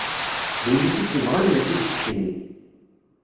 D ul-ik i tt-ibɣan mačči d keččini.